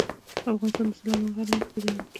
افغانستان د سلیمان غر له مخې پېژندل کېږي.